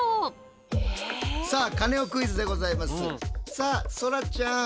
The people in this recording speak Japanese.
さあそらちゃん